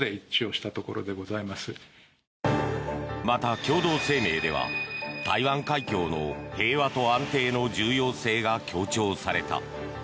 また、共同声明では台湾海峡の平和と安定の重要性が強調された。